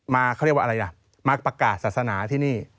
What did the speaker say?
เขาเรียกว่าอะไรล่ะมาประกาศศาสนาที่นี่